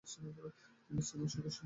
তিনি সিনেট সদস্য হন।